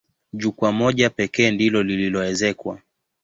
Jukwaa moja pekee ndilo lililoezekwa.